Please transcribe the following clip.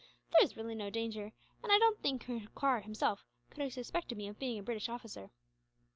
There was really no danger, and I do not think Holkar, himself, could have suspected me of being a British officer."